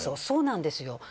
そうなんですよ。